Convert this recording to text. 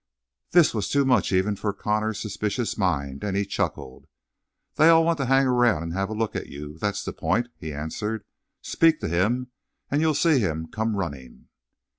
This was too much for even Connor's suspicious mind, and he chuckled. "They all want to hang around and have a look at you that's the point," he answered. "Speak to him and you'll see him come running."